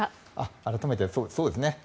改めて、そうですね。